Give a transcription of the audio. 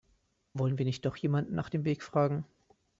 Wollen wir nicht doch jemanden nach dem Weg fragen?